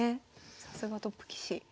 さすがトップ棋士。